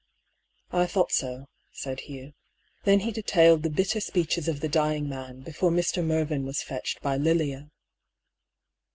" I thought so," said Hugh. Then he detailed the bitter speeches of the dying man, before Mr. Mervyn was fetched by Lilia.